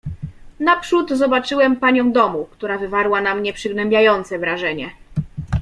"Naprzód zobaczyłem panią domu, która wywarła na mnie przygnębiające wrażenie."